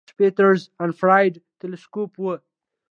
د سپیتزر انفراریډ تلسکوپ و.